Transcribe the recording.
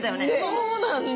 そうなんだ